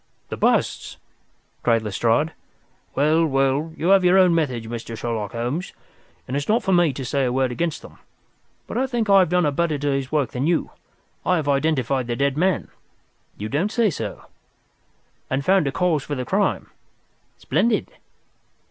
"The busts," cried Lestrade. "Well, well, you have your own methods, Mr. Sherlock Holmes, and it is not for me to say a word against them, but I think I have done a better day's work than you. I have identified the dead man." "You don't say so?" "And found a cause for the crime." "Splendid!"